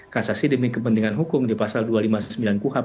kasasi demi kepentingan hukum di pasal dua ratus lima puluh sembilan kuhap